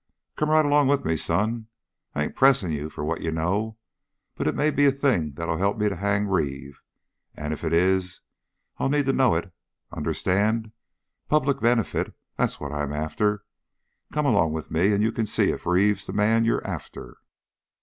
"Come right along with me, son. I ain't pressing you for what you know. But it may be a thing that'll help me to hang Reeve. And if it is, I'll need to know it. Understand? Public benefit that's what I'm after. Come along with me and you can see if Reeve's the man you're after."